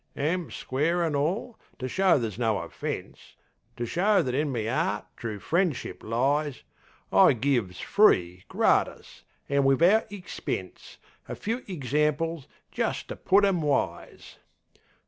An, square an' all, to show there's no offence, To show that in me 'eart true friendship lies, I gives free gratis, an wivout ixpense, A few igzamples, just to put 'em wise.